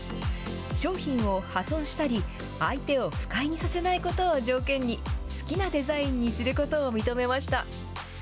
商品を破損したり相手を不快にさせないことを条件に好きなデザインにすることを認めました。